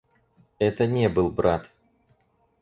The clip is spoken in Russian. Это не был брат.